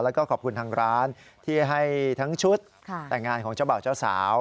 แล้วก็ขอบคุณทางร้านที่ให้ทั้งชุดแต่งงานของเจ้าบ่าวเจ้าสาว